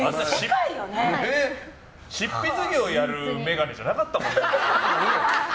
執筆業をやる眼鏡じゃなかったもんね。